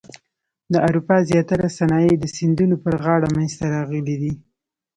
د اروپا زیاتره صنایع د سیندونو پر غاړه منځته راغلي دي.